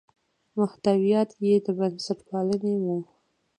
محتویات یې د بنسټپالنې وو.